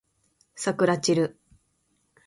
さくらちる